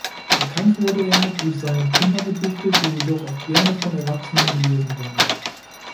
Bekannt wurde er durch seine Kindergedichte, die jedoch auch gerne von Erwachsenen gelesen werden.